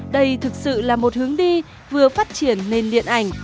đây thực sự là một hướng đi vừa phát triển nền điện ảnh